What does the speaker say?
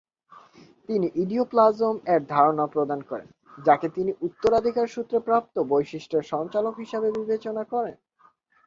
তিনি "ইডিওপ্লাজম"-এর ধারণা প্রদান করেন, যাকে তিনি উত্তরাধিকারসূত্রে প্রাপ্ত বৈশিষ্ট্যের সঞ্চালক হিসেবে বিবেচনা করেন।